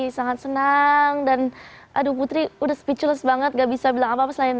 sangat senang dan aduh putri udah speechless banget gak bisa bilang apa apa selain